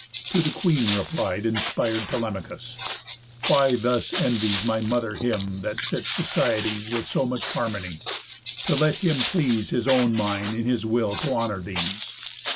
To the queen replied Inspir'd Telemachus: "Why thus envies My mother him that fits societies With so much harmony, to let him please His own mind in his will to honour these?